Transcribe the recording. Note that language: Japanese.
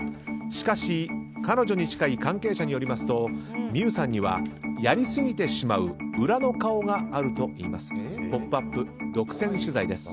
しかし彼女に近い関係者によりますと望結さんにはやりすぎてしまう裏の顔があるといいます。